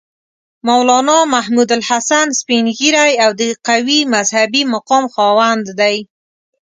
مولنا محمودالحسن سپین ږیری او د قوي مذهبي مقام خاوند دی.